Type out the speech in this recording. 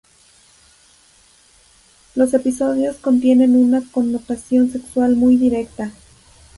Los episodios contienen una connotación sexual muy directa.